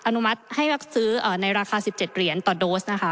อนุมัติให้รับซื้อในราคา๑๗เหรียญต่อโดสนะคะ